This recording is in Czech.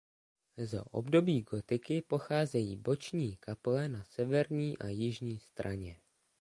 Z období gotiky pocházejí boční kaple na severní a jižní straně.